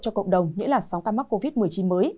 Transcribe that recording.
cho cộng đồng nghĩa là sáu ca mắc covid một mươi chín mới